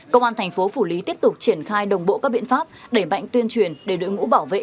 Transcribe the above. công an thành phố phủ lý tiếp tục triển khai đồng bộ các biện pháp đẩy mạnh tuyên truyền để đội ngũ bảo vệ